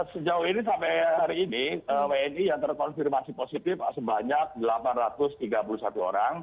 sejauh ini sampai hari ini wni yang terkonfirmasi positif sebanyak delapan ratus tiga puluh satu orang